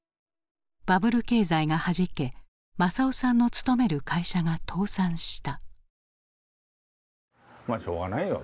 バブル経済がはじけ政男さんの勤める会社が倒産した。